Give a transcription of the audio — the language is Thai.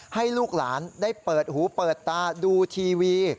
ให้ลูกหลานได้เปิดหูเปิดตาดูทีวี